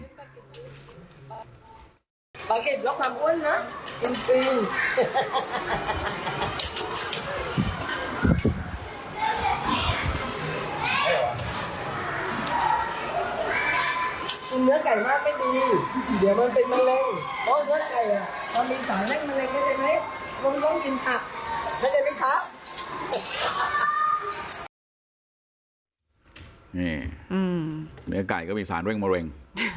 นี่เนื้อไก่ก็มีสารเร่งมะเร็ง